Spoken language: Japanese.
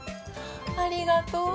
ありがとう。